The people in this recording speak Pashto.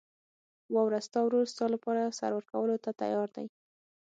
واوره، ستا ورور ستا لپاره سر ورکولو ته تیار دی.